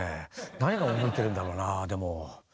何を覚えてるんだろうなでも。